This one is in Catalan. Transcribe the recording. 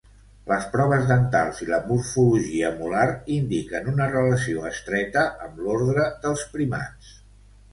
Les proves dentals i la morfologia molar indiquen una relació estreta amb l'ordre dels primats.